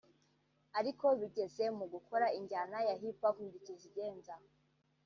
ariko bigeze mu gukora injyana ya Hip Hop ndi kizigenza